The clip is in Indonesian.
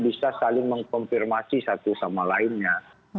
bisa saling mengkonfirmasi satu sama lainnya